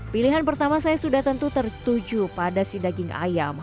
pilihan pertama saya sudah tentu tertuju pada si daging ayam